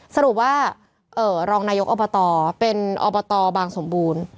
สรุปว่ารองนายกอบตเป็นอบตบางสมบูรณ์